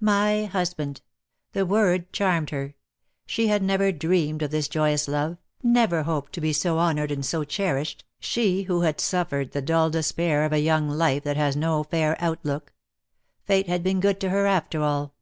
My husband! The word charmed her. She had never dreamed of this joyous love, never hoped to be so honoured and so cherished, she DEAD LOVE HAS CHAINS. JQJ who had suffered the dull despair of a young life that has no fair outlook. Fate had been good to her after all.